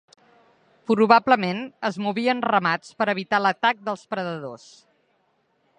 Probablement es movia en ramats per evitar l'atac dels predadors.